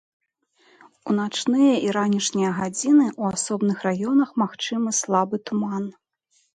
У начныя і ранішнія гадзіны ў асобных раёнах магчымы слабы туман.